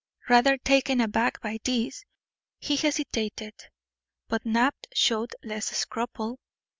Rather taken aback by this, he hesitated. But Knapp showed less scruple.